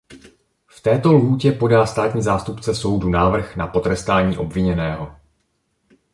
V této lhůtě podá státní zástupce soudu návrh na potrestání obviněného.